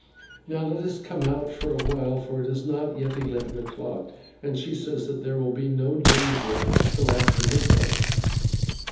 Now let us come out for a while, for it is not yet eleven o'clock, and she says that there will be no danger till after midnight."